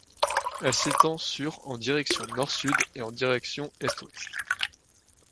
Elle s'étend sur en direction nord-sud et en direction est-ouest.